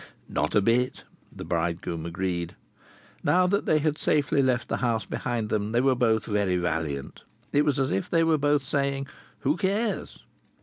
"Not a bit," the bridegroom agreed. Now that they had safely left the house behind them, they were both very valiant. It was as if they were both saying: "Who cares?"